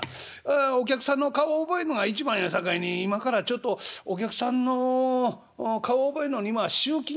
お客さんの顔を覚えんのが一番やさかいに今からちょっとお客さんの顔を覚えんのに今は集金に行くのが一番や』